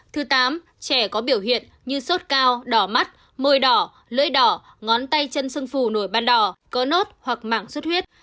thứ tám trẻ có biểu hiện như sốt cao đỏ mắt môi đỏ lưỡi đỏ ngón tay chân sưng phù nổi ban đỏ có nốt hoặc mảng sốt huyết